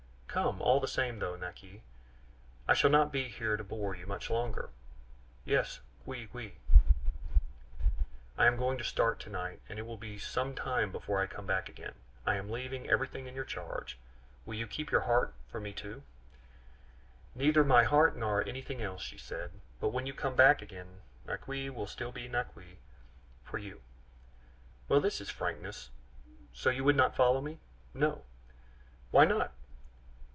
"Come, all the same though, Naqui; I shall not be here to bore you much longer. Yes, Quiqui, I am going to start to night, and it will be some time before I come back again. I am leaving everything in your charge. Will you keep your heart for me too?" "Neither my heart nor anything else," she said; "but when you come back again, Naqui will still be Naqui for you." "Well, this is frankness. So you would not follow me?" "No." "Why not?"